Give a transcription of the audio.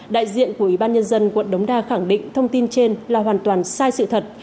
đại diện của y tế quận đống đa khẳng định thông tin trên là hoàn toàn sai sự thật